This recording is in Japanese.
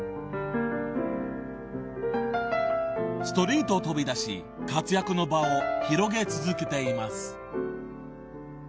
［ストリートを飛び出し活躍の場を広げ続けています］